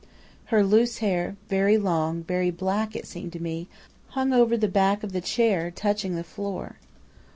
"Her loose hair, very long, very black, it seemed to me, hung over the back of the chair, touching the floor.